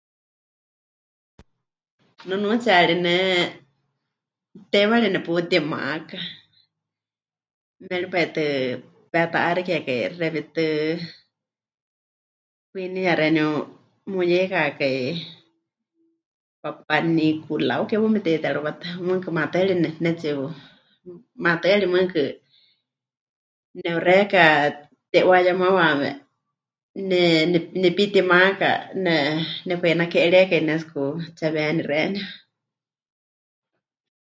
"Nunuutsiyari ne teiwari neputimaka. Méripai tɨ peta'axikekai xewítɨ, kwiniya xeeníu muyeikakai ""papanicolau"" ke paɨ mete'iterɨwátɨ, mɨɨkɨ matɨari pɨne... pɨnetsi'u... maatɨari mɨɨkɨ ne'uxeiyaka ti'uayemawaame ne... ne... nepitimaka, ne... nepɨka'inaki'eríekai mɨnetsikutseweni xeeníu."